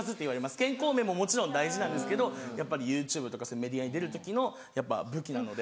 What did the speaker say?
健康面ももちろん大事なんですけどやっぱりＹｏｕＴｕｂｅとかそういうメディアに出る時のやっぱ武器なので。